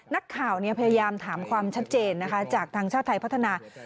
นักข่าวพยายามถามความชัดเจนนะคะจากทางชาติไทยพัฒนา